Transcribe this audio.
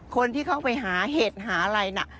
คนที่เข้าไปหาเห็ดหาอะไรน่ะ